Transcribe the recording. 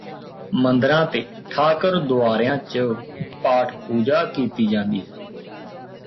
ਮੰਦਰਾਂ ਤੇ ਠਾਕਰ ਦੁਆਰਿਆਂ ਚ ਪਾਠ ਪੂਜਾ ਕੀਤੀ ਜਾਂਦੀ ਹੈ